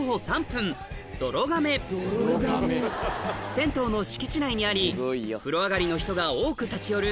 銭湯の敷地内にあり風呂上がりの人が多く立ち寄る